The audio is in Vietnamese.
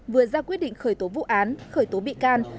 vừa ra quyết định khởi tố vụ án khởi tố bị can